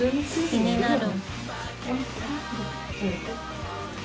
気になる。